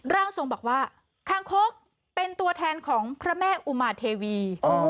ร่างทรงบอกว่าคางคกเป็นตัวแทนของพระแม่อุมาเทวี